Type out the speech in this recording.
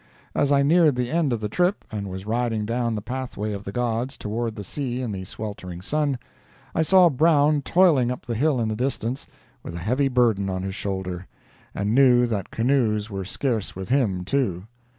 As I neared the end of the trip, and was riding down the "pathway of the gods" toward the sea in the sweltering sun I saw Brown toiling up the hill in the distance, with a heavy burden on his shoulder, and knew that canoes were scarce with him, too.